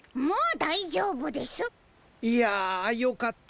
いやよかった。